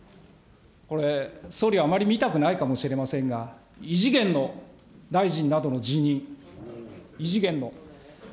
総理、あまり見たくないかもしれませんが、異次元の大臣などの辞任、異次元の。